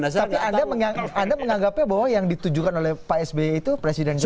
tapi anda menganggapnya bahwa yang ditujukan oleh pak sby itu presiden jokowi